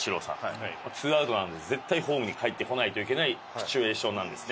２アウトなので絶対ホームにかえってこないといけないシチュエーションなんですね。